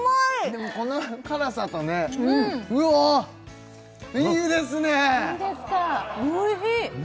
でもこの辛さとねうわっいいですねいいですか？